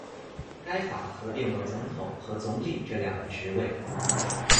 该法合并了总统和总理这两个职位。